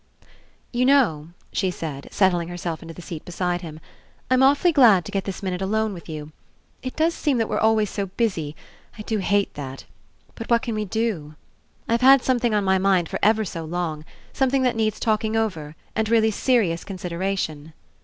*'You know," she said, settling herself into the seat beside him, "I'm awfuly glad to get this minute alone with you. It does seem that we're always so busy — I do hate that — but what can we do? I've had something on my mind for ever so long, something that needs talking over and really serious consideration."